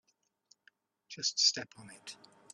Just step on it.